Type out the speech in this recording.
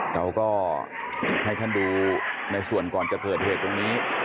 เราก็ให้ท่านดูในส่วนก่อนจะเกิดเหตุตรงนี้